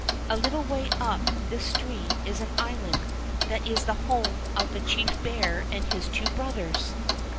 ''A little way up this stream is an island that is the home of the chief bear and his two brothers.